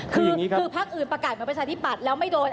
คือพักอื่นประกาศเหมือนประชาธิปัตย์แล้วไม่โดน